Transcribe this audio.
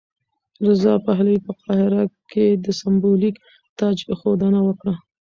رضا پهلوي په قاهره کې سمبولیک تاجاېښودنه وکړه.